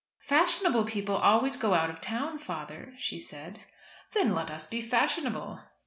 "Fashionable people always go out of town, father," she said. "Then let us be fashionable."